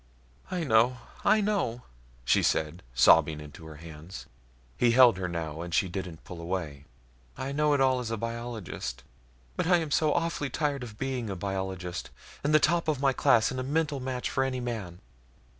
"I know, I know ..." she said sobbing into her hands. He held her now and she didn't pull away. "I know it all as a biologist but I am so awfully tired of being a biologist, and top of my class and a mental match for any man.